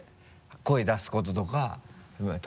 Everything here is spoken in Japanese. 声出すこととか。